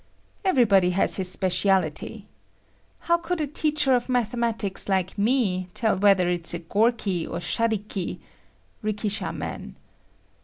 Everybody has his specialty. How could a teacher of mathematics like me tell whether it is a Gorky or shariki (rikishaman).